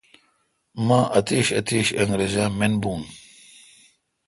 مہ اتش اتش انگرزا من بھو